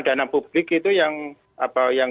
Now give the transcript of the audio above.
dana publik itu yang